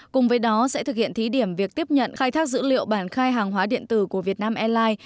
cùng với đó sẽ thực hiện thí điểm việc tiếp nhận khai thác dữ liệu bản khai hàng hóa điện tử của vietnam airlines